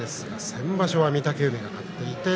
先場所は御嶽海が勝っています。